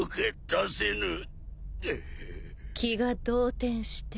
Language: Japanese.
気が動転して。